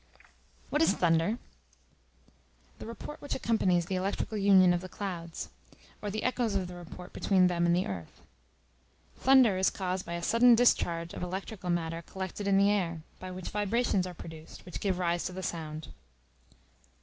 What is Thunder? The report which accompanies the electrical union of the clouds: or the echoes of the report between them and the earth. Thunder is caused by a sudden discharge of electrical matter collected in the air, by which vibrations are produced, which give rise to the sound.